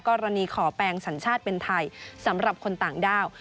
กรณีขอแปลงสัญชาติเป็นไทยสำหรับคนต่างด้าว